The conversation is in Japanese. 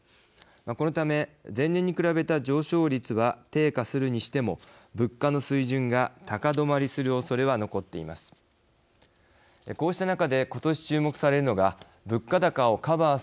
このため、前年に比べた上昇率は低下するにしても物価の水準が高止まりするおそれは残っています。